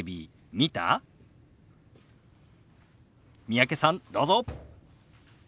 三宅さんどうぞ。